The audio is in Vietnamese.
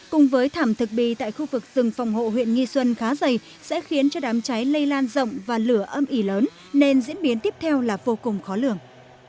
cùng với thảm thực bì tại khu vực rừng phòng hộ huyện nghi xuân khá dày sẽ khiến cho đám cháy lây lan rộng và lửa âm ỉ lớn nên diễn biến tiếp theo là vô cùng khó lường